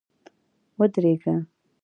ودرېږه!